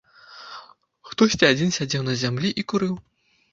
Хтосьці адзін сядзеў на зямлі і курыў.